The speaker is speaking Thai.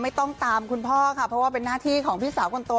ตามคุณพ่อค่ะเพราะว่าเป็นหน้าที่ของพี่สาวคนโต